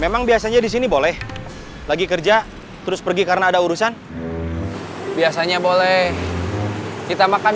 memang biasanya disini boleh lagi kerja terus pergi karena ada urusan biasanya boleh kita makan